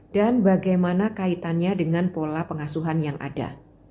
dan bagaimana kaitannya dengan pola pengasuhan yang ada